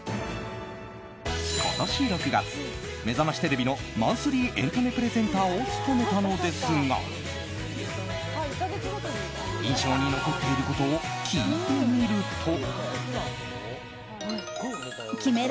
今年６月、「めざましテレビ」のマンスリーエンタメプレゼンターを務めたのですが印象に残っていることを聞いてみると。